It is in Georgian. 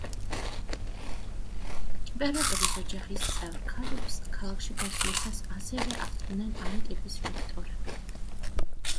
იმპერატორის ოჯახის წევს ქალებს ქალაქში გასვლისას ასევე ახლდნენ ამ ტიპის ლიქტორები.